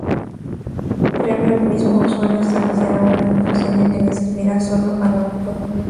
Previo el mismo usuario establecerá una contraseña que le servirá solo al autor.